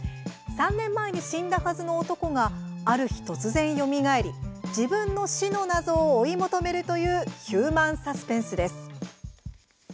３年前に死んだはずの男がある日、突然よみがえり自分の死の謎を追い求めるというヒューマンサスペンスです。